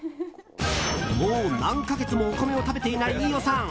もう何か月もお米を食べていない飯尾さん。